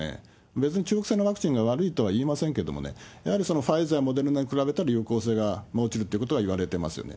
別に中国製のワクチンが悪いとは言いませんけれどもね、やはりファイザー、モデルナに比べたら有効性が落ちるってことはいわれてますよね。